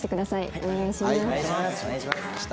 お願いします。